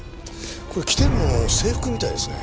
これ着てるのは制服みたいですね。